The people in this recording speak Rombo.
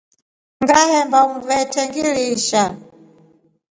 Ngiliemba umvende ngiliisha.